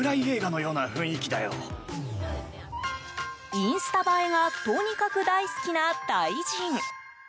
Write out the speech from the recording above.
インスタ映えがとにかく大好きなタイ人。